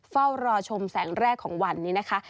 เฝ้ารอชมแสงแรกของวันนี้นะคะ